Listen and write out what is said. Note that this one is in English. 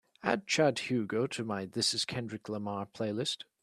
Add Chad Hugo to my This Is Kendrick Lamar playlist.